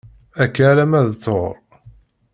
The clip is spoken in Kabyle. Akka alemma d ṭhur.